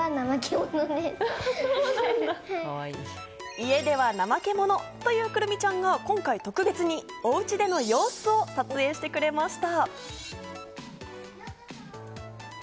家では怠け者という来泉ちゃんが、今回特別におうちでの様子を撮影してくれました。